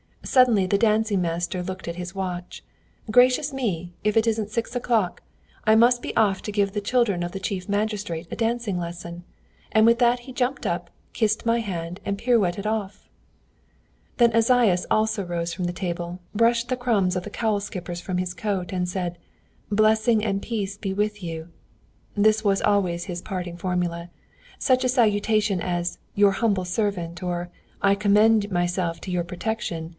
Suddenly the dancing master looked at his watch: 'Gracious me, if it isn't six o'clock! I must be off to give the children of the chief magistrate a dancing lesson' and with that he jumped up, kissed my hand, and pirouetted off. [Footnote 113: A sort of dumpling.] "Then Esaias also rose from the table, brushed the crumbs of the cowl skippers from his coat, and said: 'Blessing and peace be with you!' This was always his parting formula. Such a salutation as 'Your humble servant!' or 'I commend myself to your protection!'